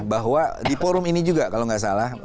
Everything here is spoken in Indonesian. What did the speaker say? bahwa di forum ini juga kalau nggak salah